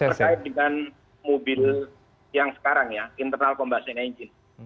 jadi terkait dengan mobil yang sekarang ya internal combustion engine